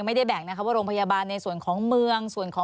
สวัสดีครับคุณผู้ชมค่ะ